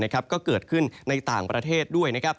ก็เกิดขึ้นในต่างประเทศด้วย